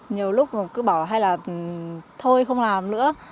nhiều lúc cứ bỏ hay là thôi không làm nữa